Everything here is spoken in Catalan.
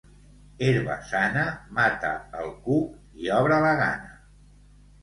Herba-sana mata el cuc i obre la gana.